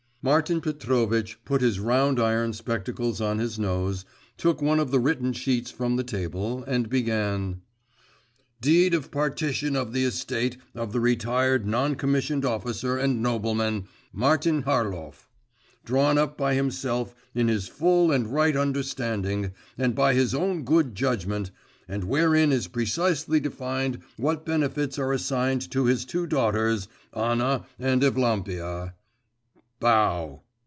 Martin Petrovitch put his round iron spectacles on his nose, took one of the written sheets from the table, and began: 'Deed of partition of the estate of the retired non commissioned officer and nobleman, Martin Harlov, drawn up by himself in his full and right understanding, and by his own good judgment, and wherein is precisely defined what benefits are assigned to his two daughters, Anna and Evlampia bow!